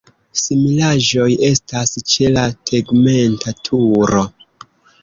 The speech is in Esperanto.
Similaĵoj estas ĉe la tegmenta turo.